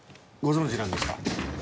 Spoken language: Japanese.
ご存じなんですか？